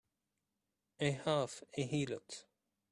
A half a heelot!